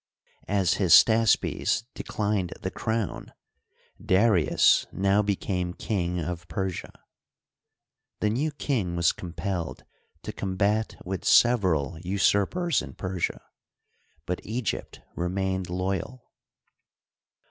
As Hystaspes declined the crown, Darius now became King of Persia. The new king was compelled to combat with several usurpers in Persia, but Egypt remained loyal.